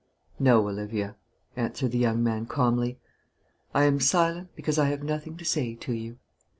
"No, Olivia," answered the young man, calmly. "I am silent, because I have nothing to say to you.